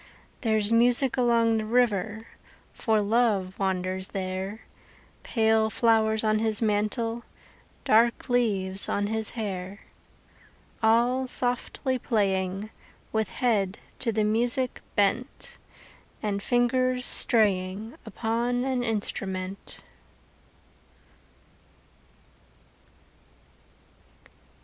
There's music along the river For Love wanders there, Pale flowers on his mantle, Dark leaves on his hair. All softly playing, With head to the music bent, And fingers straying Upon an instrument.